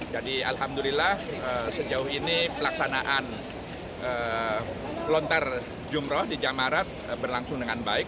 jadi alhamdulillah sejauh ini pelaksanaan lontar jumroh di jamaah arab berlangsung dengan baik